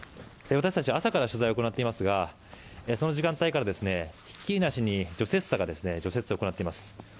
私たち朝から取材を行っていますがその時間帯からひっきりなしに除雪車が除雪を行っています。